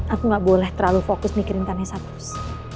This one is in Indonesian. aku gak boleh terlalu fokus mikirin tane sabus